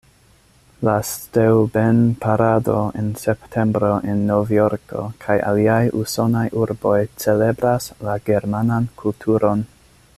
La Steuben-parado en septembro en Novjorko kaj aliaj usonaj urboj celebras la germanan kulturon.